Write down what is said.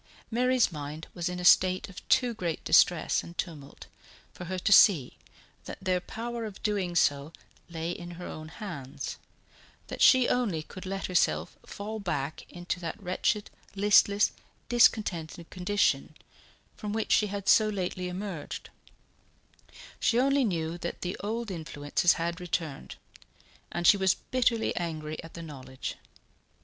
Mary's mind was in a state of too great distress and tumult for her to see that their power of doing so lay in her own hands, that she only could let herself fall back into that wretched, listless, discontented condition from which she had so lately emerged; she only knew that the old influences had returned, and she was bitterly angry at the knowledge.